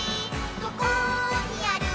どこにある？